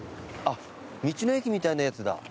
あっ道の駅みたいなやつだ。